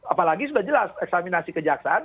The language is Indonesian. apalagi sudah jelas eksaminasi kejaksaan